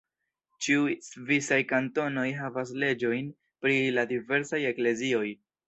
Ĉiuj svisaj kantonoj havas leĝojn pri la diversaj eklezioj.